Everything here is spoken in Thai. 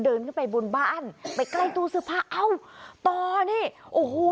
เดินขึ้นไปบนบ้านไปใกล้ตู้เสื้อผ้าเอ้าต่อนี่โอ้โห